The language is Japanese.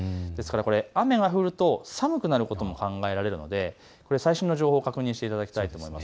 雨が降ると寒くなることも考えられるので最新の情報を確認していただきたいと思います。